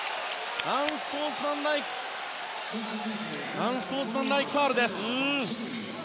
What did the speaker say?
アンスポーツマンライクファウルです。